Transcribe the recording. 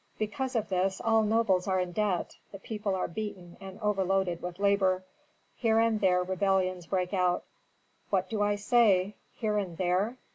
"Because of this all nobles are in debt, the people are beaten and overloaded with labor; here and there rebellions break out. What do I say! here and there?